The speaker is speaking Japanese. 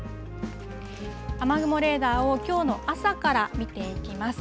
雨雲レーダーを、きょうの朝から見ていきます。